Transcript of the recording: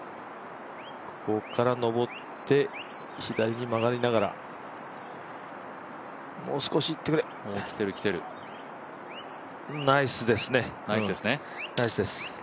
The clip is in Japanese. ここから上って左に曲がりながらもう少しいってくれナイスですね。